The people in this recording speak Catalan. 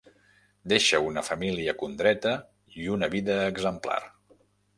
Deixa una família condreta i una vida exemplar.